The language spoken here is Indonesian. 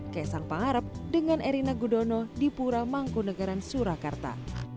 kesan pangarap dengan erina gudono di pura mangkunagaran surakarta